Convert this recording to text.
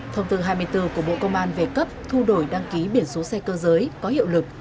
thông tư hai mươi bốn của bộ công an về cấp thu đổi đăng ký biển số xe cơ giới có hiệu lực